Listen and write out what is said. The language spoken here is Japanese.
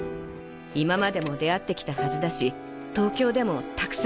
今までも出会ってきたはずだし東京でもたくさん出会うと思う。